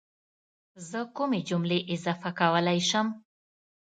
زه کومې جملې اضافه کولی شم